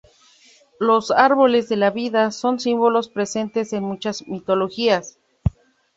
Los Árboles de la vida son símbolos presentes en muchas mitologías.